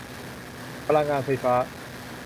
พลังงานไฟฟ้า